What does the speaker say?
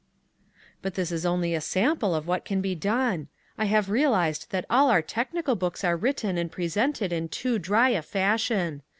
But this is only a sample of what can be done. I have realised that all our technical books are written and presented in too dry a fashion.